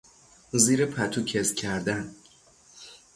زیر پتو کز کردن